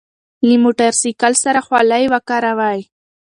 له موټر سایکل سره خولۍ وکاروئ.